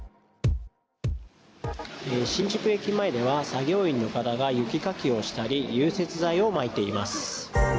新宿駅前では作業員の方が雪かきをしたり融雪剤をまいています。